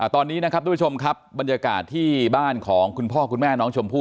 ตอนนี้นะครับทุกผู้ชมครับบรรยากาศที่บ้านของคุณพ่อคุณแม่น้องชมพู่